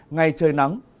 ngày trời nắng